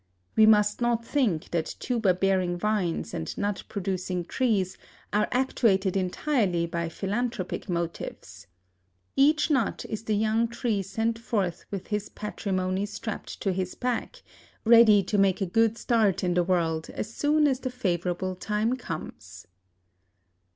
We must not think that tuber bearing vines and nut producing trees are actuated entirely by philanthropic motives. Each nut is the young tree sent forth with his patrimony strapped to his back, ready to make a good start in the world as soon as the favorable time comes.